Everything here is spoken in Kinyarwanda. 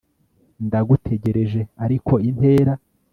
Ndagutegereje ariko intera